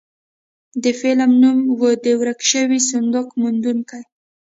د فلم نوم و د ورک شوي صندوق موندونکي.